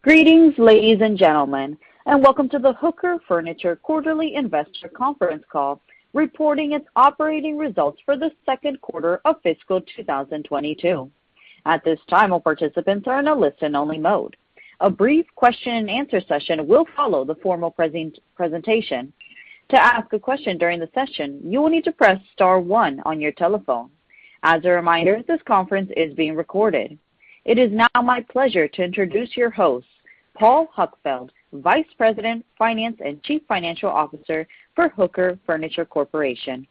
Greetings, ladies and gentlemen, and welcome to the Hooker Furnishings quarterly investor conference call reporting its operating results for the second quarter of fiscal 2022. At this time, all participants are in a listen-only mode. A brief question and answer session will follow the formal presentation. To ask a question during the session, you will need to press star one on your telephone. As a reminder, this conference is being recorded. It is now my pleasure to introduce your host, Paul Huckfeldt, Vice President Finance, and Chief Financial Officer for Hooker Furnishings Corporation.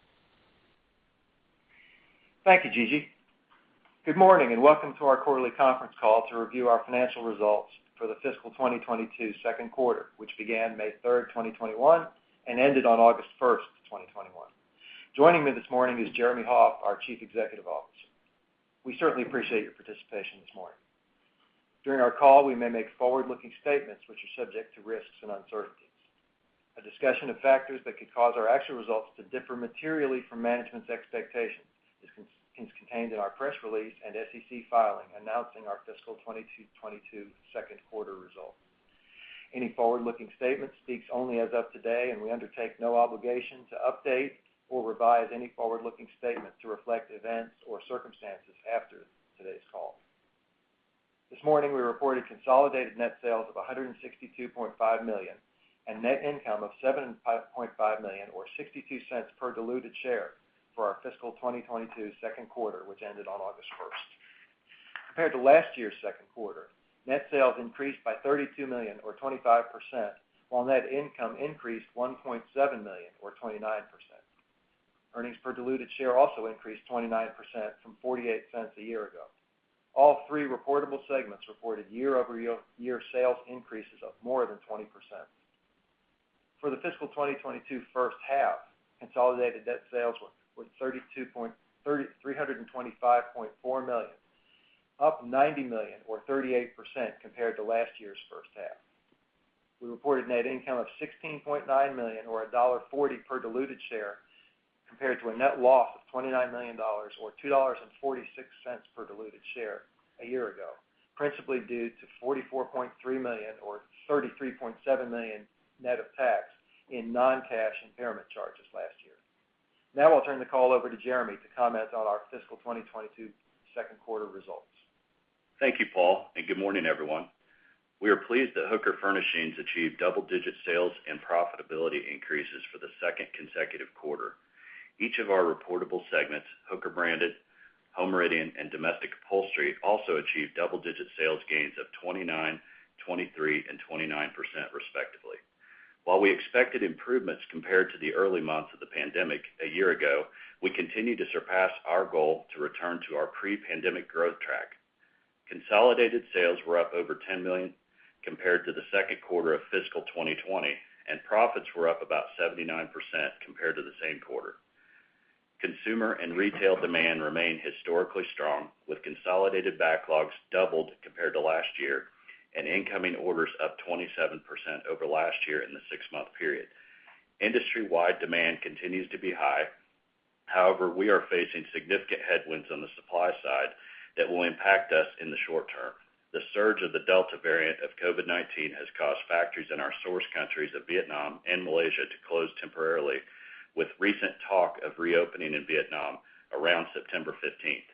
Thank you, Gigi. Good morning. Welcome to our quarterly conference call to review our financial results for the fiscal 2022 second quarter, which began May 3rd, 2021, and ended on August 1st, 2021. Joining me this morning is Jeremy Hoff, our Chief Executive Officer. We certainly appreciate your participation this morning. During our call, we may make forward-looking statements which are subject to risks and uncertainties. A discussion of factors that could cause our actual results to differ materially from management's expectations is contained in our press release and SEC filing announcing our fiscal 2022 second quarter results. Any forward-looking statement speaks only as of today, and we undertake no obligation to update or revise any forward-looking statement to reflect events or circumstances after today's call. This morning, we reported consolidated net sales of $162.5 million and net income of $7.5 million, or $0.62 per diluted share for our fiscal 2022 second quarter, which ended on August 1st. Compared to last year's second quarter, net sales increased by $32 million or 25%, while net income increased $1.7 million or 29%. Earnings per diluted share also increased 29% from $0.48 a year ago. All three reportable segments reported year-over-year sales increases of more than 20%. For the fiscal 2022 first half, consolidated net sales were $325.4 million, up $90 million or 38% compared to last year's first half. We reported net income of $16.9 million or $1.40 per diluted share, compared to a net loss of $29 million or $2.46 per diluted share a year ago, principally due to $44.3 million or $33.7 million net of tax in non-cash impairment charges last year. Now I'll turn the call over to Jeremy to comment on our fiscal 2022 second quarter results. Thank you, Paul, and good morning, everyone. We are pleased that Hooker Furnishings achieved double-digit sales and profitability increases for the second consecutive quarter. Each of our reportable segments, Hooker Branded, Home Meridian, and Domestic Upholstery, also achieved double-digit sales gains of 29%, 23%, and 29%, respectively. While we expected improvements compared to the early months of the pandemic a year ago, we continue to surpass our goal to return to our pre-pandemic growth track. Consolidated sales were up over $10 million compared to the second quarter of fiscal 2020, and profits were up about 79% compared to the same quarter. Consumer and retail demand remained historically strong, with consolidated backlogs doubled compared to last year and incoming orders up 27% over last year in the six-month period. Industry-wide demand continues to be high. However, we are facing significant headwinds on the supply side that will impact us in the short term. The surge of the Delta variant of COVID-19 has caused factories in our source countries of Vietnam and Malaysia to close temporarily with recent talk of reopening in Vietnam around September 15th.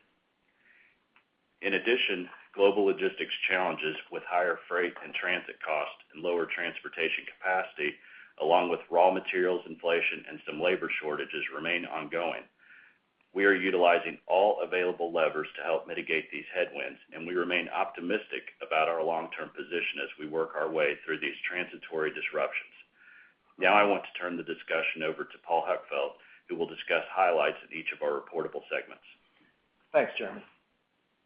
In addition, global logistics challenges with higher freight and transit costs and lower transportation capacity, along with raw materials inflation and some labor shortages remain ongoing. We are utilizing all available levers to help mitigate these headwinds, and we remain optimistic about our long-term position as we work our way through these transitory disruptions. Now, I want to turn the discussion over to Paul Huckfeldt, who will discuss highlights of each of our reportable segments. Thanks, Jeremy.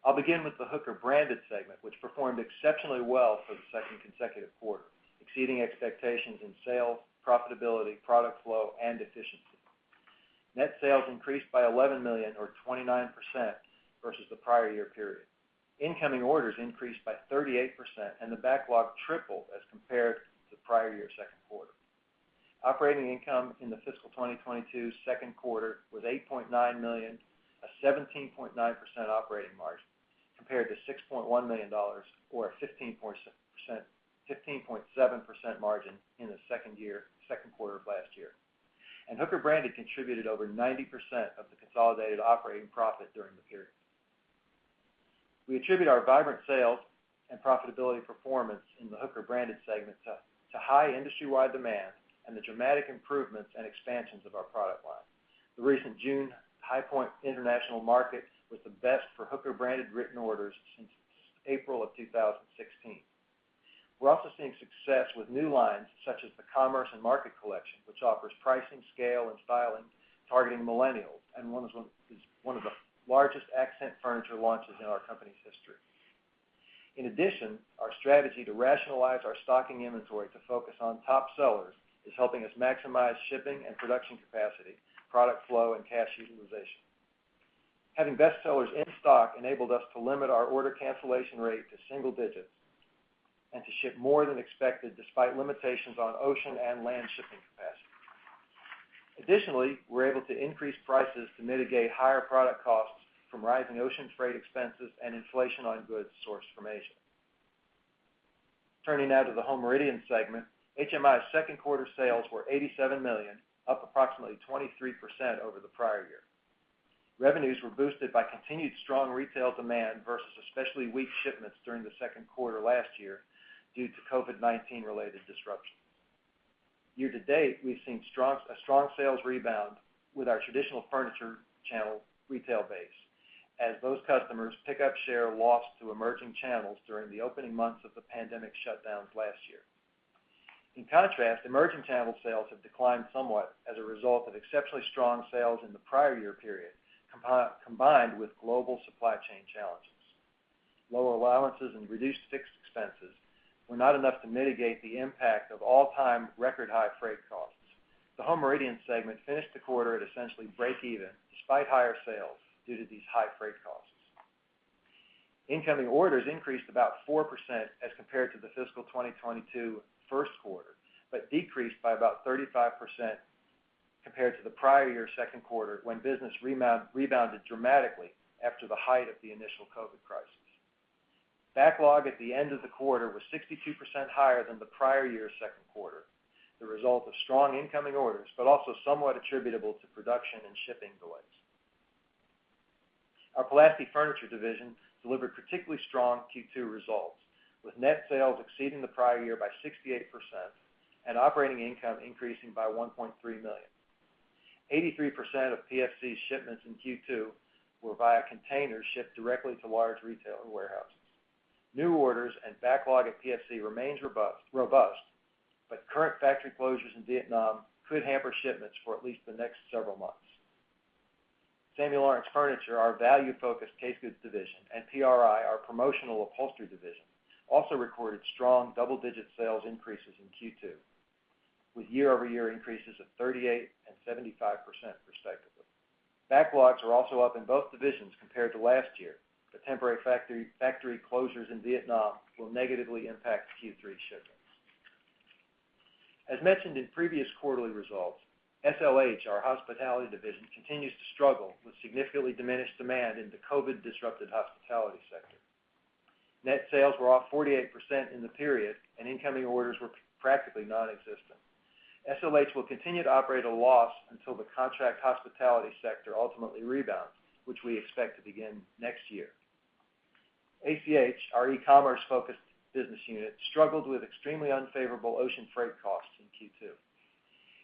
I'll begin with the Hooker Branded segment, which performed exceptionally well for the second consecutive quarter, exceeding expectations in sales, profitability, product flow, and efficiency. Net sales increased by $11 million or 29% versus the prior year period. Incoming orders increased by 38%, and the backlog tripled as compared to prior year second quarter. Operating income in the fiscal 2022 second quarter was $8.9 million, a 17.9% operating margin, compared to $6.1 million or a 15.7% margin in the second quarter of last year. Hooker Branded contributed over 90% of the consolidated operating profit during the period. We attribute our vibrant sales and profitability performance in the Hooker Branded segment to high industry-wide demand and the dramatic improvements and expansions of our product line. The recent June High Point Market was the best for Hooker Branded written orders since April of 2016. We're also seeing success with new lines such as the Commerce and Market collection, which offers pricing, scale, and styling targeting millennials and is one of the largest accent furniture launches in our company's history. In addition, our strategy to rationalize our stocking inventory to focus on top sellers is helping us maximize shipping and production capacity, product flow, and cash utilization. Having bestsellers in stock enabled us to limit our order cancellation rate to single digits and to ship more than expected despite limitations on ocean and land shipping capacity. Additionally, we're able to increase prices to mitigate higher product costs from rising ocean freight expenses and inflation on goods sourced from Asia. Turning now to the Home Meridian segment. HMI's second quarter sales were $87 million, up approximately 23% over the prior year. Revenues were boosted by continued strong retail demand versus especially weak shipments during the second quarter last year due to COVID-19 related disruptions. Year to date, we've seen a strong sales rebound with our traditional furniture channel retail base as those customers pick up share lost to emerging channels during the opening months of the pandemic shutdowns last year. In contrast, emerging channel sales have declined somewhat as a result of exceptionally strong sales in the prior year period, combined with global supply chain challenges. Lower allowances and reduced fixed expenses were not enough to mitigate the impact of all-time record high freight costs. The Home Meridian segment finished the quarter at essentially breakeven, despite higher sales due to these high freight costs. Incoming orders increased about 4% as compared to the fiscal 2022 first quarter, but decreased by about 35% compared to the prior year second quarter, when business rebounded dramatically after the height of the initial COVID-19 crisis. Backlog at the end of the quarter was 62% higher than the prior year's second quarter, the result of strong incoming orders, but also somewhat attributable to production and shipping delays. Our Pulaski Furniture division delivered particularly strong Q2 results, with net sales exceeding the prior year by 68% and operating income increasing by $1.3 million. 83% of PFC shipments in Q2 were via containers shipped directly to large retailer warehouses. New orders and backlog at PFC remains robust, but current factory closures in Vietnam could hamper shipments for at least the next several months. Samuel Lawrence Furniture, our value focused case goods division, and PRI, our promotional upholstery division, also recorded strong double-digit sales increases in Q2, with year-over-year increases of 38% and 75%, respectively. Backlogs are also up in both divisions compared to last year, but temporary factory closures in Vietnam will negatively impact Q3 shipments. As mentioned in previous quarterly results, SLH, our hospitality division, continues to struggle with significantly diminished demand in the COVID disrupted hospitality sector. Net sales were off 48% in the period and incoming orders were practically non-existent. SLH will continue to operate at a loss until the contract hospitality sector ultimately rebounds, which we expect to begin next year. ACH, our e-commerce focused business unit, struggled with extremely unfavorable ocean freight costs in Q2.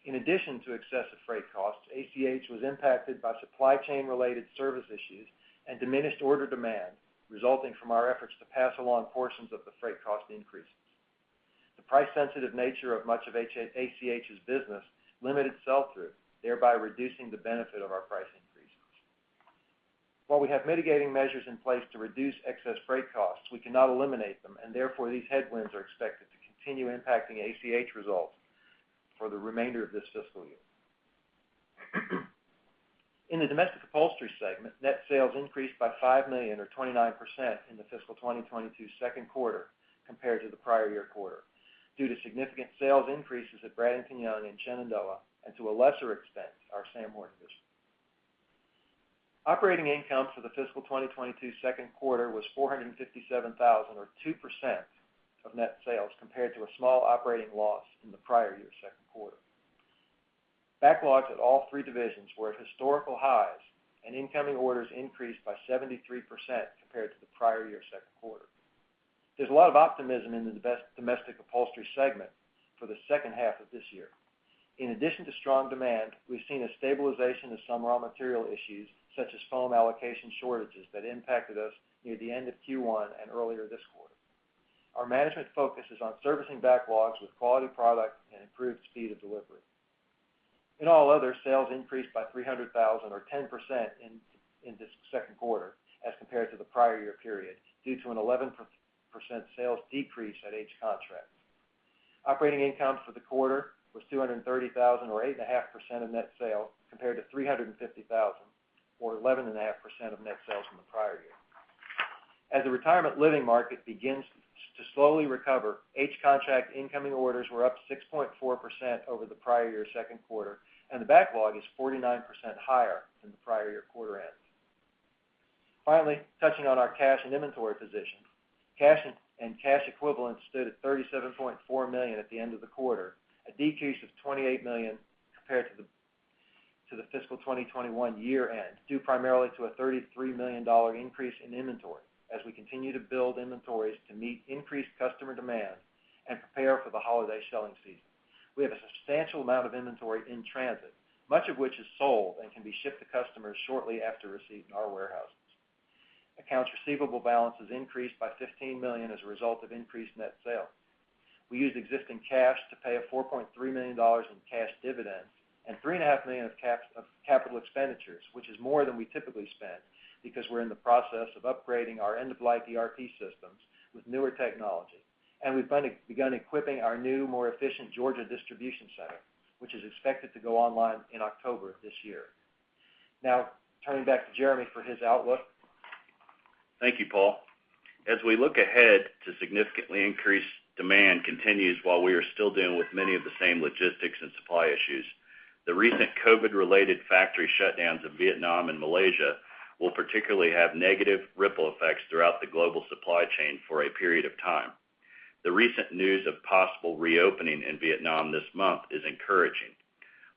In addition to excessive freight costs, ACH was impacted by supply chain related service issues and diminished order demand resulting from our efforts to pass along portions of the freight cost increases. The price sensitive nature of much of ACH's business limited sell through, thereby reducing the benefit of our price increases. While we have mitigating measures in place to reduce excess freight costs, we cannot eliminate them, and therefore, these headwinds are expected to continue impacting ACH results for the remainder of this fiscal year. In the Domestic Upholstery segment, net sales increased by $5 million or 29% in the fiscal 2022 second quarter compared to the prior year quarter, due to significant sales increases at Bradington-Young and Shenandoah, and to a lesser extent, our Sam Moore division. Operating income for the fiscal 2022 second quarter was $457,000 or 2% of net sales, compared to a small operating loss in the prior year second quarter. Backlogs at all three divisions were at historical highs and incoming orders increased by 73% compared to the prior year second quarter. There's a lot of optimism in the Domestic Upholstery segment for the second half of this year. In addition to strong demand, we've seen a stabilization of some raw material issues, such as foam allocation shortages that impacted us near the end of Q1 and earlier this quarter. Our management focus is on servicing backlogs with quality product and improved speed of delivery. In all other, sales increased by $300,000 or 10% in this second quarter as compared to the prior year period, due to an 11% sales decrease at H Contract. Operating income for the quarter was $230,000 or 8.5% of net sales, compared to $350,000 or 11.5% of net sales from the prior year. As the retirement living market begins to slowly recover, H Contract incoming orders were up 6.4% over the prior year second quarter, and the backlog is 49% higher than the prior year quarter end. Finally, touching on our cash and inventory position. Cash and cash equivalents stood at $37.4 million at the end of the quarter, a decrease of $28 million compared to the fiscal 2021 year end, due primarily to a $33 million increase in inventory as we continue to build inventories to meet increased customer demand and prepare for the holiday selling season. We have a substantial amount of inventory in transit, much of which is sold and can be shipped to customers shortly after receipt in our warehouses. Accounts receivable balances increased by $15 million as a result of increased net sales. We used existing cash to pay a $4.3 million in cash dividends and $3.5 million of capital expenditures, which is more than we typically spend because we're in the process of upgrading our end-of-life ERP systems with newer technology. We've begun equipping our new, more efficient Georgia distribution center, which is expected to go online in October of this year. Turning back to Jeremy for his outlook. Thank you, Paul. As we look ahead to significantly increased demand continues while we are still dealing with many of the same logistics and supply issues, the recent COVID related factory shutdowns in Vietnam and Malaysia will particularly have negative ripple effects throughout the global supply chain for a period of time. The recent news of possible reopening in Vietnam this month is encouraging.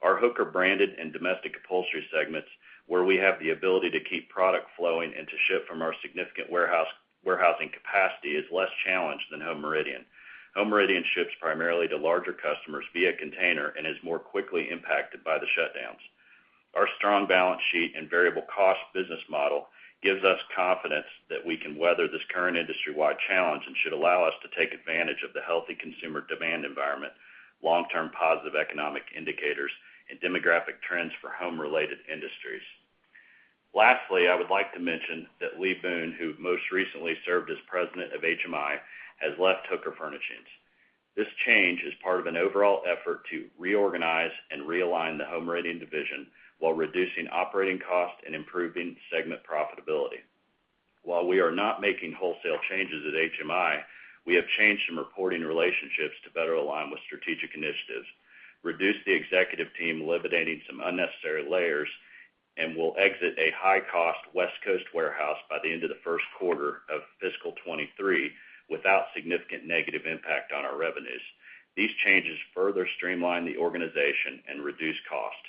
Our Hooker Branded and Domestic Upholstery segments, where we have the ability to keep product flowing and to ship from our significant warehousing capacity, is less challenged than Home Meridian. Home Meridian ships primarily to larger customers via container and is more quickly impacted by the shutdowns. Our strong balance sheet and variable cost business model gives us confidence that we can weather this current industry-wide challenge and should allow us to take advantage of the healthy consumer demand environment, long-term positive economic indicators, and demographic trends for home related industries. Lastly, I would like to mention that Lee Boone, who most recently served as President of HMI, has left Hooker Furnishings. This change is part of an overall effort to reorganize and realign the Home Meridian division while reducing operating costs and improving segment profitability. While we are not making wholesale changes at HMI, we have changed some reporting relationships to better align with strategic initiatives, reduced the executive team, eliminating some unnecessary layers, and will exit a high cost West Coast warehouse by the end of the first quarter of fiscal 2023 without significant negative impact on our revenues. These changes further streamline the organization and reduce cost.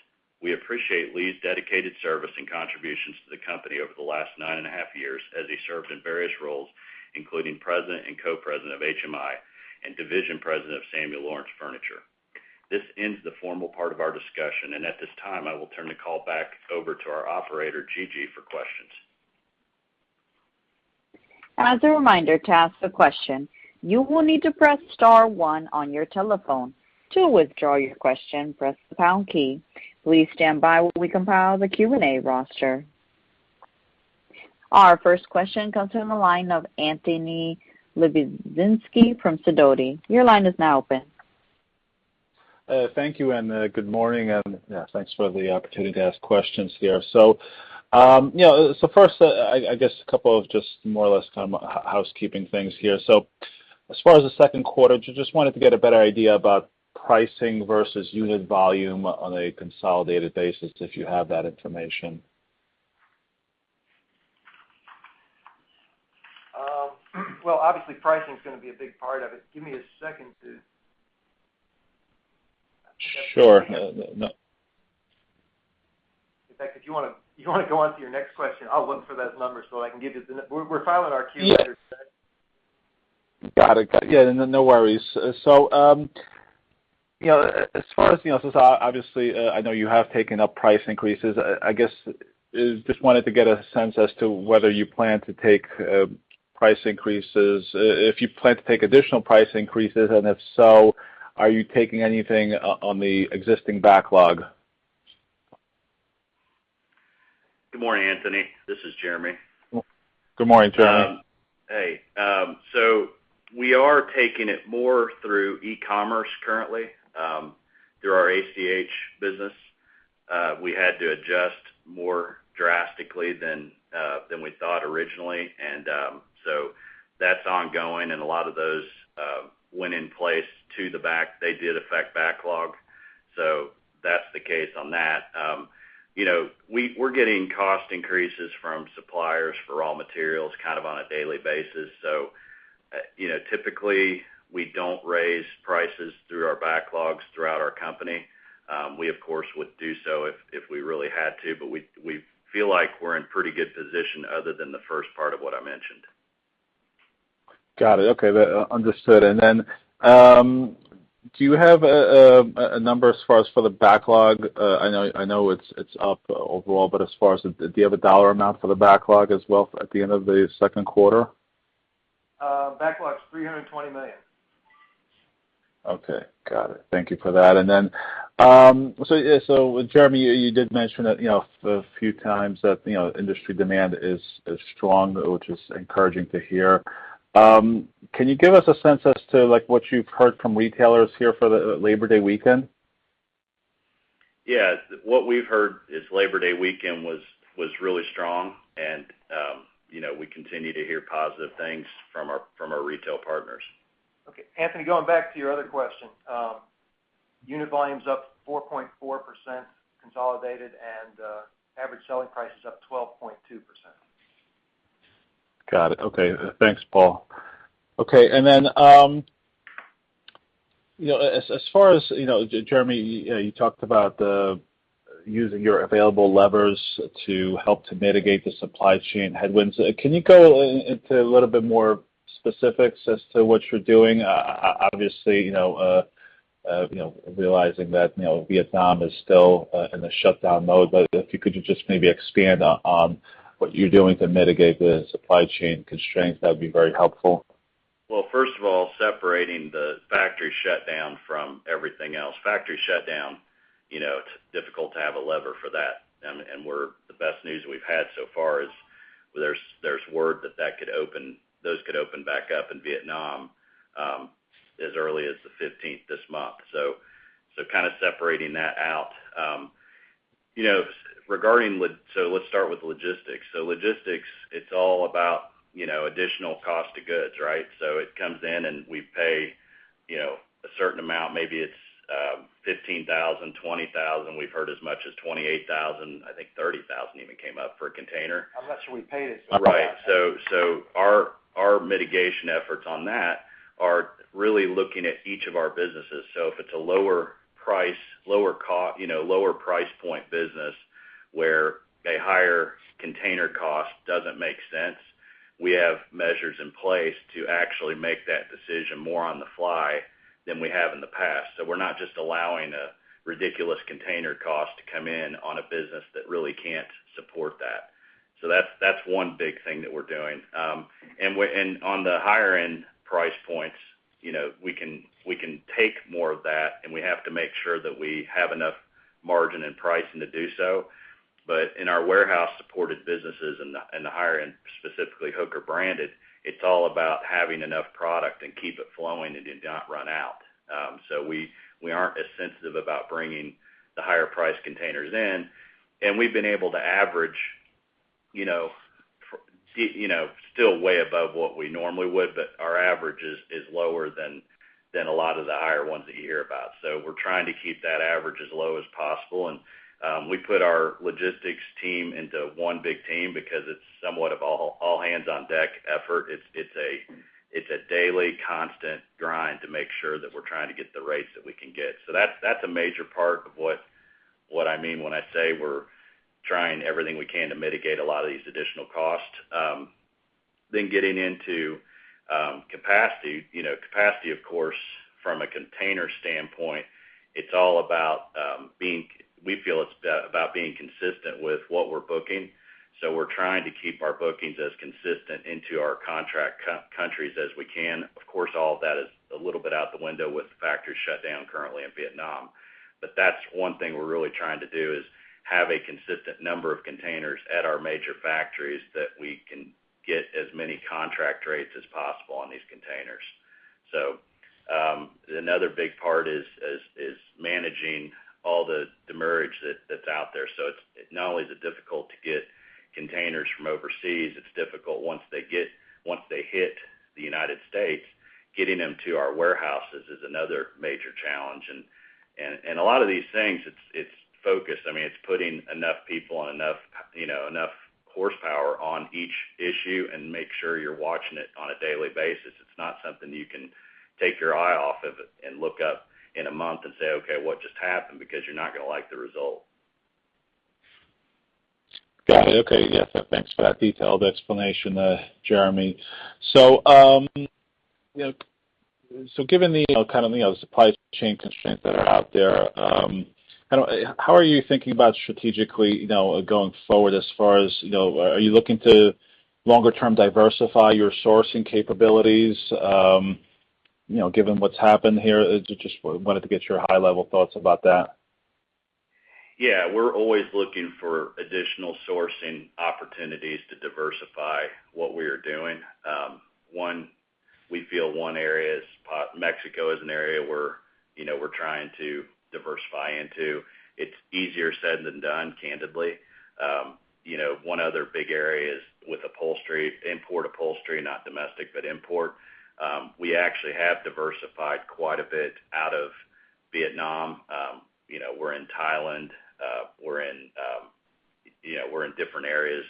We appreciate Lee's dedicated service and contributions to the company over the last nine and a half years as he served in various roles, including President and co-president of HMI and division President of Samuel Lawrence Furniture. This ends the formal part of our discussion, and at this time, I will turn the call back over to our operator, Gigi, for questions. As a reminder, to ask a question, you will need to press star one on your telephone. To withdraw your question, press the pound key. Please stand by while we compile the Q&A roster. Our first question comes from the line of Anthony Lebiedzinski from Sidoti. Your line is now open. Thank you, and good morning. Thanks for the opportunity to ask questions here. First, I guess a couple of just more or less some housekeeping things here. As far as the second quarter, just wanted to get a better idea about pricing versus unit volume on a consolidated basis, if you have that information. Well, obviously pricing is going to be a big part of it. Give me a second to. Sure. No. In fact, if you want to go on to your next question, I'll look for those numbers so I can give you the. We're filing our Q later today. Got it. Yeah, no worries. Obviously I know you have taken up price increases. I guess, just wanted to get a sense as to whether you plan to take price increases, if you plan to take additional price increases, and if so, are you taking anything on the existing backlog? Good morning, Anthony. This is Jeremy. Good morning, Jeremy. We are taking it more through e-commerce currently, through our ACH business. We had to adjust more drastically than we thought originally. That's ongoing. A lot of those went in place to the back. They did affect backlog. That's the case on that. We're getting cost increases from suppliers for raw materials kind of on a daily basis. Typically we don't raise prices through our backlogs throughout our company. We of course, would do so if we really had to. We feel like we're in pretty good position other than the first part of what I mentioned. Got it. Okay. Understood. Do you have a number as far as for the backlog? I know it's up overall, do you have a dollar amount for the backlog as well at the end of the second quarter? Backlog's $320 million. Okay. Got it. Thank you for that. Jeremy, you did mention a few times that industry demand is strong, which is encouraging to hear. Can you give us a sense as to what you've heard from retailers here for the Labor Day weekend? Yeah. What we've heard is Labor Day weekend was really strong and we continue to hear positive things from our retail partners. Okay, Anthony, going back to your other question. Unit volume's up 4.4% consolidated and average selling price is up 12.2%. Got it. Okay, thanks, Paul. As far as, Jeremy, you talked about using your available levers to help to mitigate the supply chain headwinds. Can you go into a little bit more specifics as to what you're doing? Obviously, realizing that Vietnam is still in a shutdown mode, if you could just maybe expand on what you're doing to mitigate the supply chain constraints, that'd be very helpful. Well, first of all, separating the factory shutdown from everything else. Factory shutdown, it's difficult to have a lever for that, and the best news we've had so far is there's word that those could open back up in Vietnam as early as the 15th this month. Kind of separating that out. Let's start with logistics. Logistics, it's all about additional cost of goods, right? It comes in and we pay a certain amount, maybe it's $15,000, $20,000. We've heard as much as $28,000. I think $30,000 even came up for a container. How much are we paying it? Our mitigation efforts on that are really looking at each of our businesses. If it's a lower price point business where a higher container cost doesn't make sense, we have measures in place to actually make that decision more on the fly than we have in the past. We're not just allowing a ridiculous container cost to come in on a business that really can't support that. That's one big thing that we're doing. On the higher end price points, we can take more of that, and we have to make sure that we have enough margin and pricing to do so. In our warehouse-supported businesses in the higher end, specifically Hooker Branded, it's all about having enough product and keep it flowing and to not run out. We aren't as sensitive about bringing the higher priced containers in, and we've been able to average still way above what we normally would, but our average is lower than a lot of the higher ones that you hear about. We're trying to keep that average as low as possible. We put our logistics team into one big team because it's somewhat of all hands on deck effort. It's a daily constant grind to make sure that we're trying to get the rates that we can get. That's a major part of what I mean when I say we're trying everything we can to mitigate a lot of these additional costs. Getting into capacity. Capacity, of course, from a container standpoint, we feel it's about being consistent with what we're booking. We're trying to keep our bookings as consistent into our contract countries as we can. Of course, all of that is a little bit out the window with the factories shut down currently in Vietnam. That's one thing we're really trying to do, is have a consistent number of containers at our major factories that we can get as many contract rates as possible on these containers. Another big part is managing all the demurrage that's out there. Not only is it difficult to get containers from overseas, it's difficult once they hit the United States, getting them to our warehouses is another major challenge. A lot of these things, it's focus. It's putting enough people and enough horsepower on each issue, and make sure you're watching it on a daily basis. It's not something you can take your eye off of it and look up in a month and say, "Okay, what just happened?" Because you're not going to like the result. Got it. Okay. Yeah. Thanks for that detailed explanation there, Jeremy. Given the kind of supply chain constraints that are out there, how are you thinking about strategically going forward as far as are you looking to longer term diversify your sourcing capabilities given what's happened here? I just wanted to get your high level thoughts about that. Yeah. We're always looking for additional sourcing opportunities to diversify what we are doing. We feel Mexico is an area where we're trying to diversify into. It's easier said than done, candidly. One other big area is with import upholstery, not domestic, but import. We actually have diversified quite a bit out of Vietnam. We're in Thailand, we're in different areas.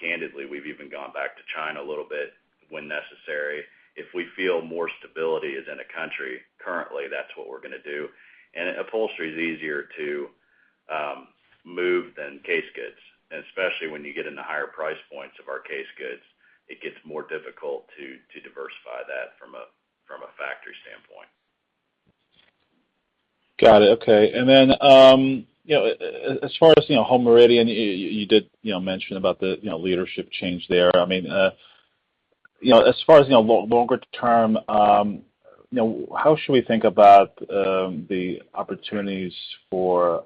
Candidly, we've even gone back to China a little bit when necessary. If we feel more stability is in a country currently, that's what we're going to do. Upholstery is easier to move than case goods, and especially when you get in the higher price points of our case goods, it gets more difficult to diversify that from a factory standpoint. Got it. Okay. As far as Home Meridian, you did mention about the leadership change there. As far as longer term, how should we think about the opportunities for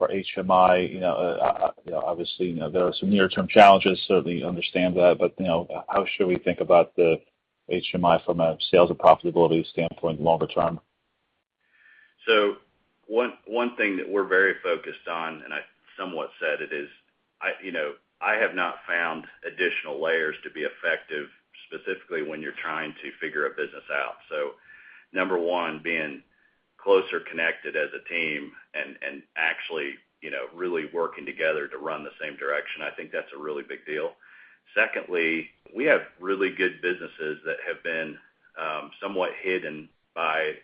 HMI? Obviously, there are some near term challenges, certainly understand that. How should we think about the HMI from a sales and profitability standpoint longer term? One thing that we're very focused on, and I somewhat said it, is I have not found additional layers to be effective, specifically when you're trying to figure a business out. Number one, being closer connected as a team and actually really working together to run the same direction. I think that's a really big deal. Secondly, we have really good businesses that have been somewhat hidden by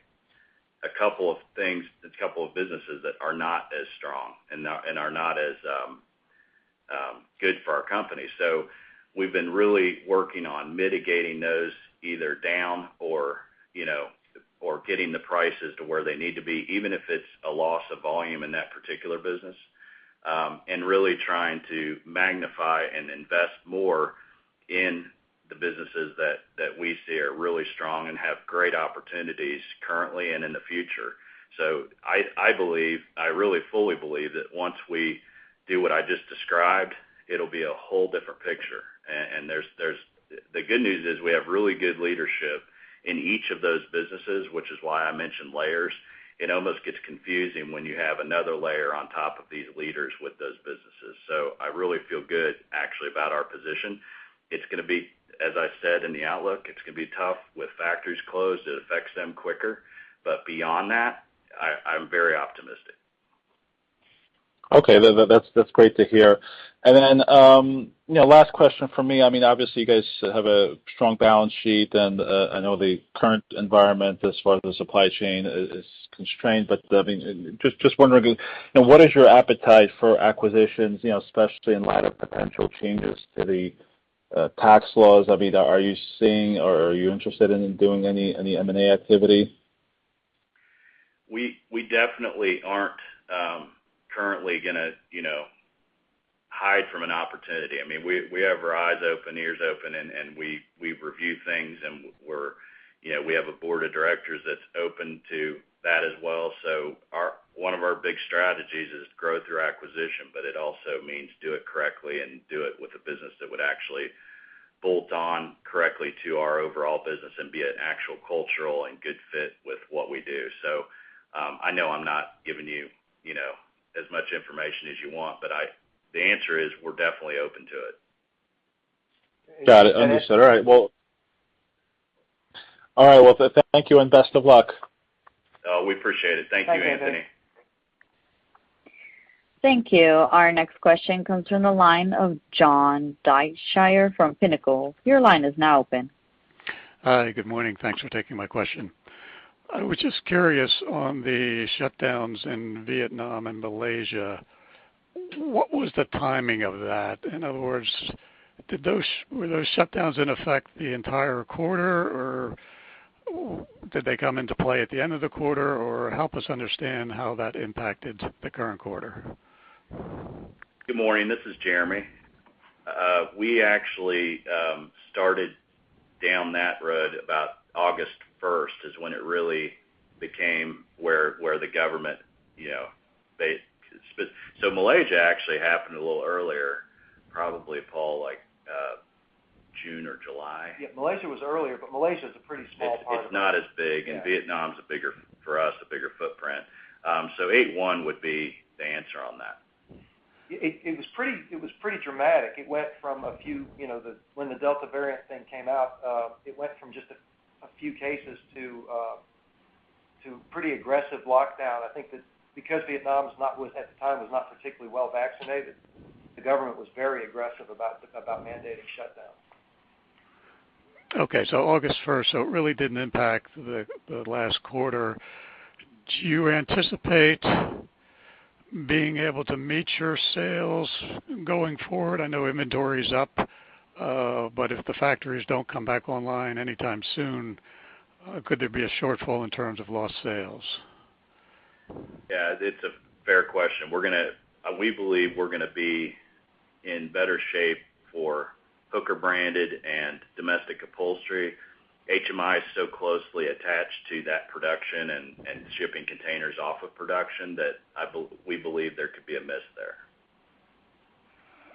a couple of things, a couple of businesses that are not as strong and are not as good for our company. We've been really working on mitigating those either down or getting the prices to where they need to be, even if it's a loss of volume in that particular business. Really trying to magnify and invest more in the businesses that we see are really strong and have great opportunities currently and in the future. I really fully believe that once we do what I just described, it'll be a whole different picture. The good news is we have really good leadership in each of those businesses, which is why I mentioned layers, it almost gets confusing when you have another layer on top of these leaders with those businesses. I really feel good, actually, about our position. As I said in the outlook. It's going to be tough with factories closed, it affects them quicker. Beyond that, I'm very optimistic. Okay. That's great to hear. Then, last question from me. Obviously, you guys have a strong balance sheet, and I know the current environment as far as the supply chain is constrained, but just wondering, what is your appetite for acquisitions, especially in light of potential changes to the tax laws? Are you seeing or are you interested in doing any M&A activity? We definitely aren't currently going to hide from an opportunity. We have our eyes open, ears open, and we review things, and we have a board of directors that's open to that as well. One of our big strategies is growth through acquisition, but it also means do it correctly and do it with a business that would actually bolt on correctly to our overall business and be an actual cultural and good fit with what we do. I know I'm not giving you as much information as you want, but the answer is, we're definitely open to it. Got it. Understood. All right. Well, thank you and best of luck. Oh, we appreciate it. Thank you, Anthony. Thank you. Our next question comes from the line of John Deysher from Pinnacle. Your line is now open. Hi. Good morning. Thanks for taking my question. I was just curious on the shutdowns in Vietnam and Malaysia, what was the timing of that? In other words, were those shutdowns in effect the entire quarter, or did they come into play at the end of the quarter, or help us understand how that impacted the current quarter? Good morning. This is Jeremy. We actually started down that road about August 1st is when it really became. Malaysia actually happened a little earlier, probably, Paul, like June or July. Yeah, Malaysia was earlier, but Malaysia's a pretty small part of it. It's not as big, and Vietnam's, for us, a bigger footprint. 8/1 would be the answer on that. It was pretty dramatic. When the Delta variant thing came out, it went from just a few cases to pretty aggressive lockdown. I think that because Vietnam, at the time, was not particularly well vaccinated, the government was very aggressive about mandating shutdowns. August 1st, it really didn't impact the last quarter. Do you anticipate being able to meet your sales going forward? I know inventory's up. If the factories don't come back online anytime soon, could there be a shortfall in terms of lost sales? Yeah, it's a fair question. We believe we're going to be in better shape for Hooker Branded and Domestic Upholstery. HMI is so closely attached to that production and shipping containers off of production that we believe there could be a miss there.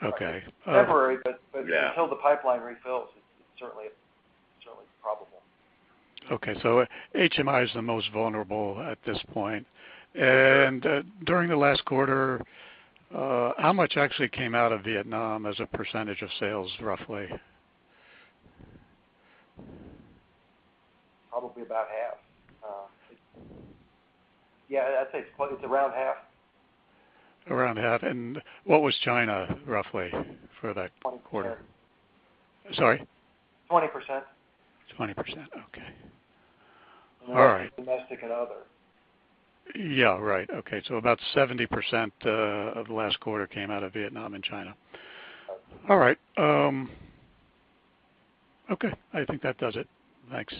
Okay. Temporary, but until the pipeline refills, it's certainly probable. Okay. HMI is the most vulnerable at this point. Sure. During the last quarter, how much actually came out of Vietnam as a percentage of sales, roughly? Probably about half. Yeah, I'd say it's around half. Around half. What was China, roughly, for that quarter? 20%. Sorry? 20%. 20%, okay. All right. The rest was domestic and other. Yeah. Right. Okay. About 70% of the last quarter came out of Vietnam and China. All right. Okay. I think that does it. Thanks.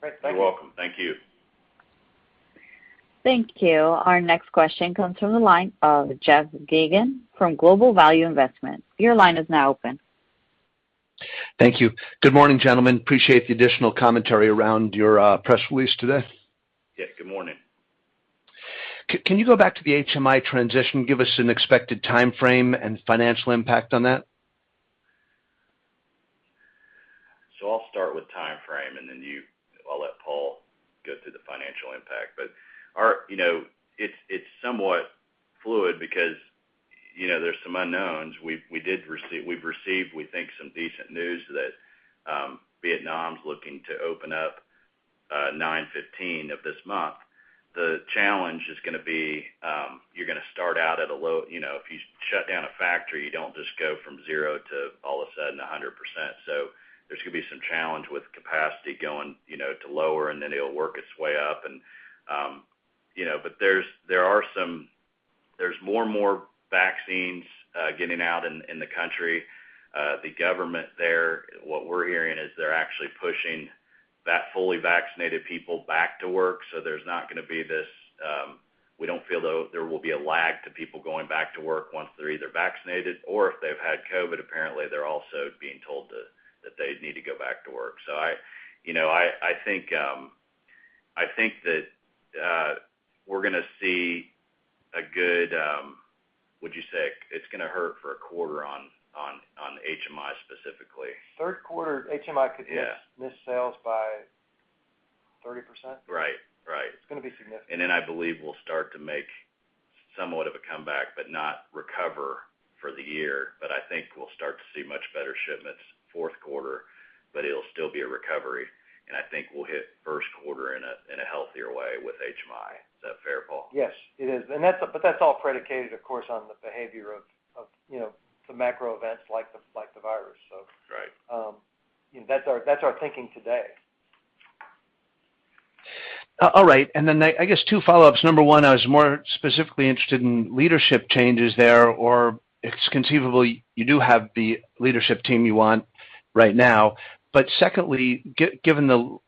Great. Thanks. You're welcome. Thank you. Thank you. Our next question comes from the line of Jeff Geygan from Global Value Investment. Your line is now open. Thank you. Good morning, gentlemen. Appreciate the additional commentary around your press release today. Yeah. Good morning. Can you go back to the HMI transition? Give us an expected timeframe and financial impact on that? I'll start with timeframe, and then I'll let Paul go through the financial impact. It's somewhat fluid because there's some unknowns. We've received, we think, some decent news that Vietnam's looking to open up 9/15 of this month. The challenge is going to be, if you shut down a factory, you don't just go from zero to all of a sudden 100%. There's going to be some challenge with capacity going to lower, and then it'll work its way up. There's more and more vaccines getting out in the country. The government there, what we're hearing is they're actually pushing that fully vaccinated people back to work, so we don't feel there will be a lag to people going back to work once they're either vaccinated or if they've had COVID. Apparently, they're also being told that they need to go back to work. I think that we're going to see a good, would you say, it's going to hurt for a quarter on HMI specifically. Third quarter, HMI Yeah Miss sales by 30%. Right. It's going to be significant. I believe we'll start to make somewhat of a comeback, but not recover for the year. I think we'll start to see much better shipments fourth quarter, but it'll still be a recovery, and I think we'll hit first quarter in a healthier way with HMI. Is that fair, Paul? Yes, it is. That's all predicated, of course, on the behavior of the macro events like the virus. Right. That's our thinking today. All right. Then I guess two follow-ups. Number one, I was more specifically interested in leadership changes there, or if conceivably you do have the leadership team you want right now. Secondly, given the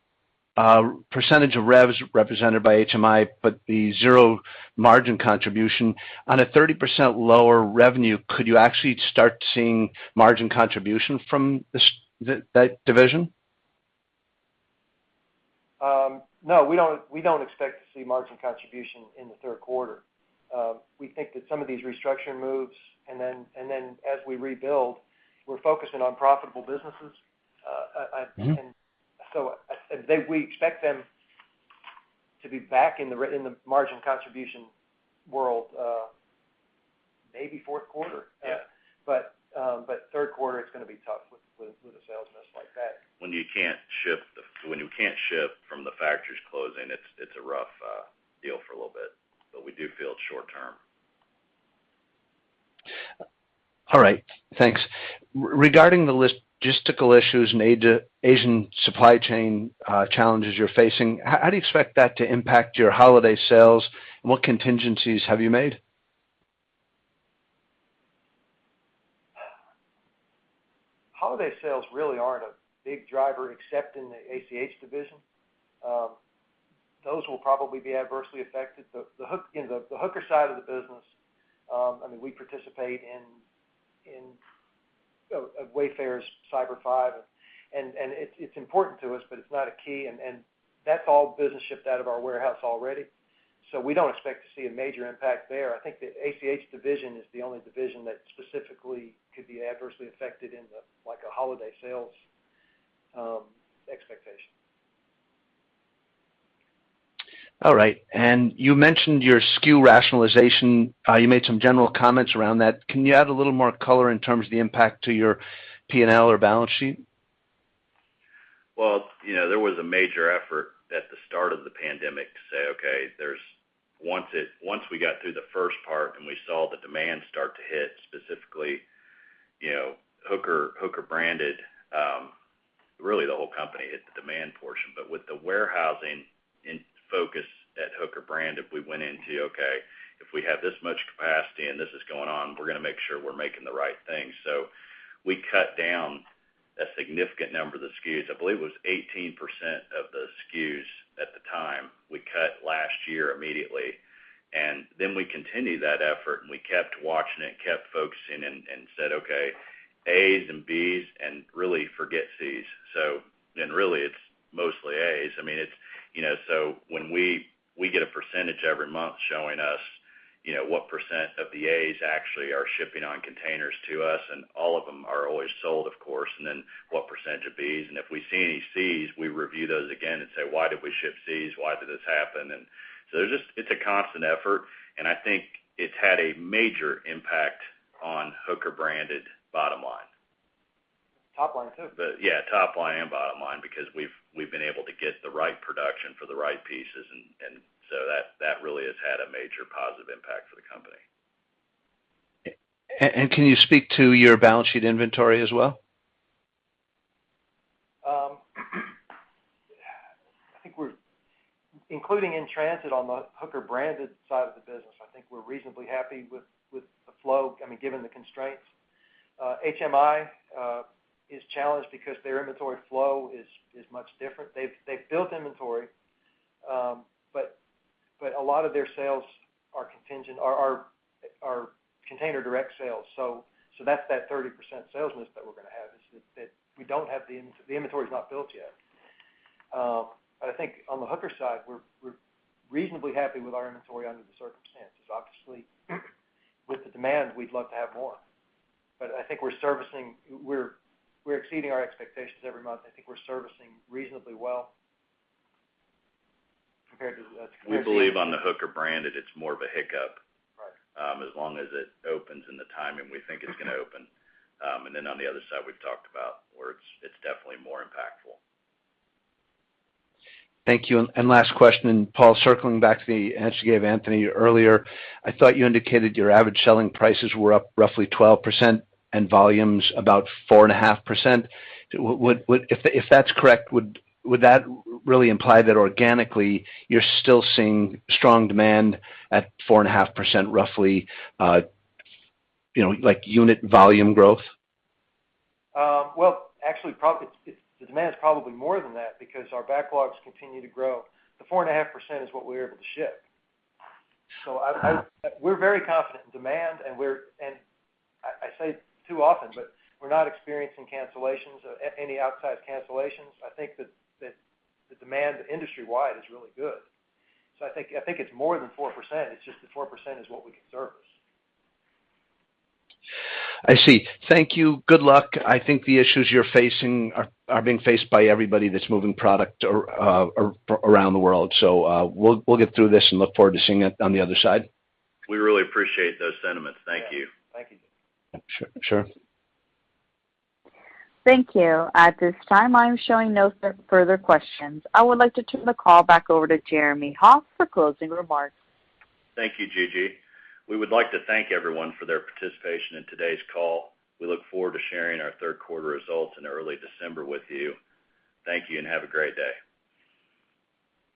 percentage of revs represented by HMI, but the zero margin contribution, on a 30% lower revenue, could you actually start seeing margin contribution from that division? No, we don't expect to see margin contribution in the third quarter. We think that some of these restructuring moves, and then as we rebuild, we're focusing on profitable businesses. We expect them to be back in the margin contribution world, maybe fourth quarter. Yeah. Third quarter, it's going to be tough with a sales miss like that. When you can't ship from the factories closing, it's a rough deal for a little bit. We do feel it's short term. All right, thanks. Regarding the logistical issues and Asian supply chain challenges you're facing, how do you expect that to impact your holiday sales? What contingencies have you made? Holiday sales really aren't a big driver except in the ACH division. Those will probably be adversely affected. The Hooker side of the business, we participate in Wayfair's Cyber 5, and it's important to us, but it's not a key, and that's all business shipped out of our warehouse already. We don't expect to see a major impact there. I think the ACH division is the one division that specifically could be adversely affected in the holiday sales expectation. All right. You mentioned your SKU rationalization. You made some general comments around that. Can you add a little more color in terms of the impact to your P&L or balance sheet? There was a major effort at the start of the pandemic to say, okay, once we got through the first part and we saw the demand start to hit specifically Hooker Branded, really the whole company hit the demand portion. With the warehousing and focus at Hooker Branded, we went into, okay, if we have this much capacity and this is going on, we're going to make sure we're making the right things. We cut down a significant number of the SKUs. I believe it was 18% of the SKUs at the time we cut last year immediately. We continued that effort, and we kept watching it, kept focusing and said, okay, A's and B's and really forget C's. Really it's mostly A's. When we get a percentage every month showing us what percent of the A's actually are shipping on containers to us, all of them are always sold, of course. What percent of B's, and if we see any C's, we review those again and say, "Why did we ship C's? Why did this happen?" It's a constant effort, and I think it's had a major impact on Hooker Branded bottom line. Top line, too. Top line and bottom line, because we've been able to get the right production for the right pieces, that really has had a major positive impact for the company. Can you speak to your balance sheet inventory as well? I think we're including in transit on the Hooker Branded side of the business, I think we're reasonably happy with the flow, given the constraints. HMI is challenged because their inventory flow is much different. They've built inventory, a lot of their sales are container direct sales. That's that 30% sales miss that we're going to have, is that the inventory's not built yet. I think on the Hooker side, we're reasonably happy with our inventory under the circumstances. Obviously, with the demand, we'd love to have more. I think we're exceeding our expectations every month, and I think we're servicing reasonably well. We believe on the Hooker brand that it's more of a hiccup. Right. As long as it opens in the timing we think it's going to open. On the other side, we've talked about where it's definitely more impactful. Thank you. Last question. Paul, circling back to the answer you gave Anthony earlier, I thought you indicated your average selling prices were up roughly 12% and volumes about 4.5%. If that's correct, would that really imply that organically you're still seeing strong demand at 4.5% roughly, like unit volume growth? Well, actually, the demand is probably more than that because our backlogs continue to grow. The 4.5% is what we're able to ship. We're very confident in demand, and I say too often, but we're not experiencing cancellations, any outside cancellations. I think that the demand industry wide is really good. I think it's more than 4%, it's just the 4% is what we can service. I see. Thank you. Good luck. I think the issues you're facing are being faced by everybody that's moving product around the world. We'll get through this and look forward to seeing it on the other side. We really appreciate those sentiments. Thank you. Yeah. Thank you. Sure. Thank you. At this time, I'm showing no further questions. I would like to turn the call back over to Jeremy Hoff for closing remarks. Thank you, Gigi. We would like to thank everyone for their participation in today's call. We look forward to sharing our third quarter results in early December with you. Thank you and have a great day.